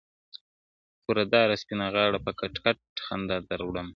• توره داره سپینه غاړه په کټ کټ خندا در وړمه,